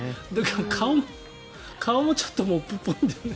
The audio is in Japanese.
顔もちょっとモップっぽいんだよね。